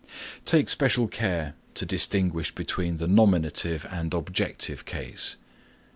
(4) Take special care to distinguish between the nominative and objective case.